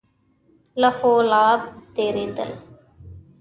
لهو لعب تېرېدل.